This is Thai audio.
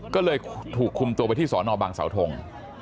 ก็เลยถูกคุมตัวไปที่สอนอบางเสาทง